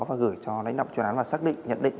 và gửi cho lãnh đạo chuyên án và xác định nhận định